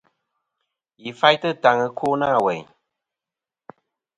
Yi faytɨ taŋ ɨkwo nâ weyn.